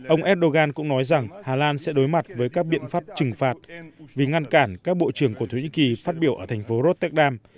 ông erdogan cũng nói rằng hà lan sẽ đối mặt với các biện pháp trừng phạt vì ngăn cản các bộ trưởng của thổ nhĩ kỳ phát biểu ở thành phố rotterdam